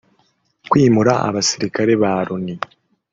kwimura abasirikare ba Loni